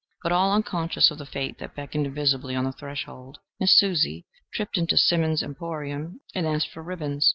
But, all unconscious of the Fate that beckoned invisibly on the threshold, Miss Susie tripped into "Simmons' Emporium" and asked for ribbons.